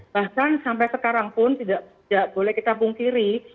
bahkan sampai sekarang pun tidak boleh kita pungkiri